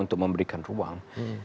untuk memberikan ruang